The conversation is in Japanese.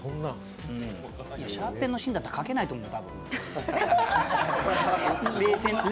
シャーペンの芯だったら書けないと思う。